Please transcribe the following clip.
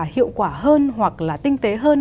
hiệu quả hơn hoặc là tinh tế hơn